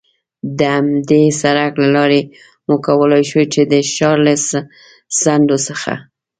د همدې سړک له لارې مو کولای شوای، چې د ښار له څنډو څخه.